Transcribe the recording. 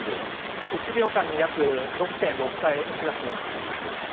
１秒間に約６．６回押し出すような形になります。